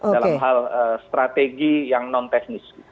dalam hal strategi yang non teknis